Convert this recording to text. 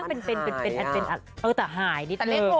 เป็นแต่หายนิดนึง